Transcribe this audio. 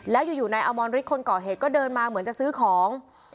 แล้วอยู่นายอมรฤทธิคนก่อเหตุก็เดินมาเหมือนจะซื้อของ